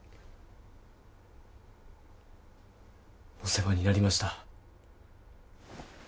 お世話になりました。